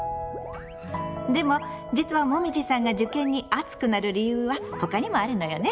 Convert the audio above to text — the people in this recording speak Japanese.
でも実はもみじさんが受験に熱くなる理由は他にもあるのよね。